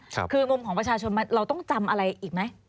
คืองมของประชาชนเราต้องจำอะไรอีกไหม